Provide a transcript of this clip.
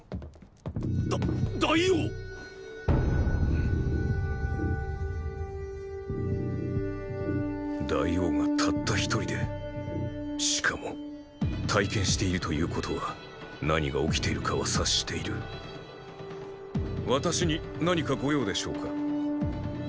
だっ大王っ⁉大王がたった一人でしかも帯剣しているということは何が起きてるかは察している私に何か御用でしょうか。